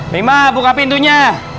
nima buka pintunya